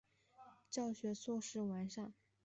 教学设施完善。